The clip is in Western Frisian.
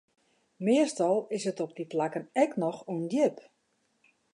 Meastal is it op dy plakken ek noch ûndjip.